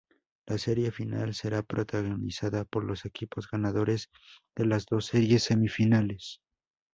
La serie final será protagonizada por los equipos ganadores de las dos series semifinales.